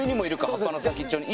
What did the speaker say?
葉っぱの先っちょに。